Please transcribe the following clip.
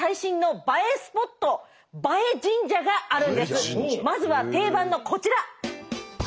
ここでまずは定番のこちら。